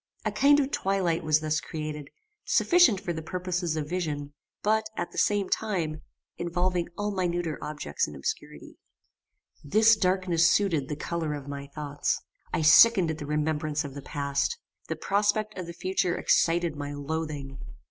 A kind of twilight was thus created, sufficient for the purposes of vision; but, at the same time, involving all minuter objects in obscurity. This darkness suited the colour of my thoughts. I sickened at the remembrance of the past. The prospect of the future excited my loathing.